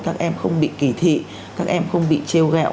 các em không bị kỳ thị các em không bị treo gẹo